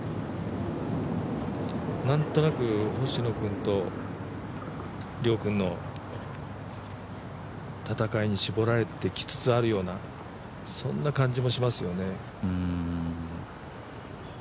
何となく、星野君と遼君の戦いに絞られてきつつあるような、そんな感じもしますよね。